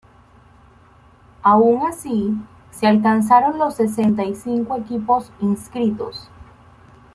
Aun así, se alcanzaron los sesenta y cinco equipos inscritos.